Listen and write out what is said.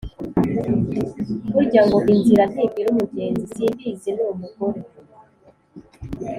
Burya ngo “ inzira ntibwira umugenzi”. Simbizi n’umugore